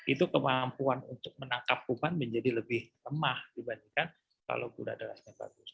itu kemampuan untuk menangkap kuman menjadi lebih lemah dibandingkan kalau gula darahnya bagus